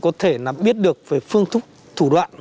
có thể biết được về phương thúc thủ đoạn